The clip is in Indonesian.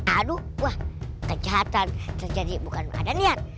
aduh wah kejahatan terjadi bukan ada niat